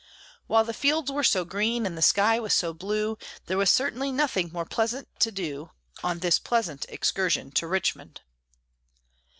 While the fields were so green and the sky was so blue, There was certainly nothing more pleasant to do, On this pleasant excursion to Richmond.